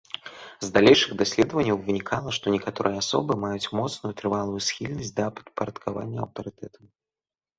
З далейшых даследванняў вынікала, што некаторыя асобы маюць моцную, трывалую схільнасць да падпарадкавання аўтарытэтам.